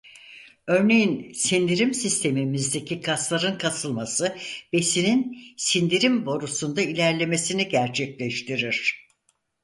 Örneğin sindirim sistemimizdeki kasların kasılması besinin sindirim borusunda ilerlemesini gerçekleştirir.